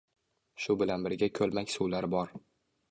Shu bilan birga ko‘lmak suvlar bor.